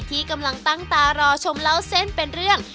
ที่กำลังตั้งตารอชมเล่าเส้นเป็นเรื่อง